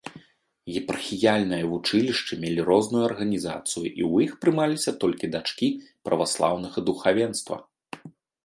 Епархіяльныя вучылішчы мелі розную арганізацыю і ў іх прымаліся толькі дачкі праваслаўнага духавенства.